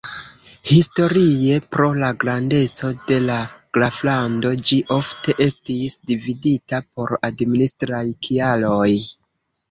Historie, pro la grandeco de la graflando, ĝi ofte estis dividita por administraj kialoj.